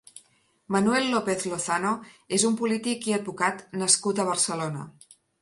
Manuel López Lozano és un polític i advocat nascut a Barcelona.